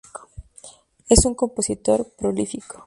Es un compositor prolífico.